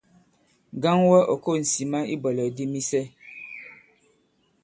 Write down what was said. Ŋgaŋ wɛ ɔ̀ ko᷇s ŋsìma i ibwɛ̀lɛ̀k di misɛ.